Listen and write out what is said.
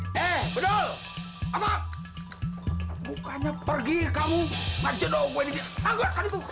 eh eh eh bener bener mukanya pergi kamu lanjut dong gue ini anggot kan itu